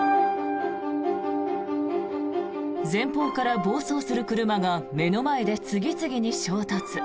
前方から暴走する車が目の前で次々と衝突。